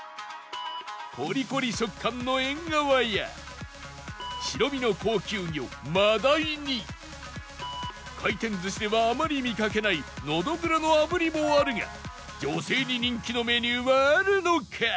コリコリ食感のえんがわや白身の高級魚真鯛に回転寿司ではあまり見かけないのどぐろの炙りもあるが女性に人気のメニューはあるのか？